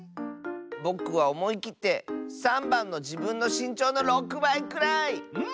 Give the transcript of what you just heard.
ぼくはおもいきって３ばんの「じぶんのしんちょうの６ばいくらい」！